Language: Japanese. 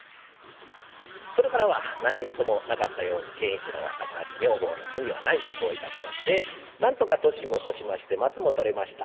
それからは何事もなかったように健一郎は傘張り女房のふみは内職をいたしましてなんとか年も越しまして松も取れました。